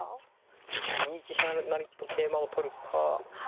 ２一飛車成と桂馬を取るか。